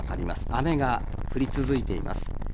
雨が降り続いています。